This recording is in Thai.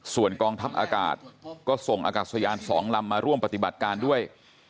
ส่วนกองทัพอากาศก็ส่งอากาศยาน๒ลำมาร่วมปฏิบัติการด้วย